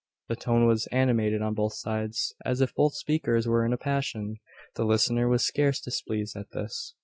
The tone was animated on both sides, as if both speakers were in a passion. The listener was scarce displeased at this.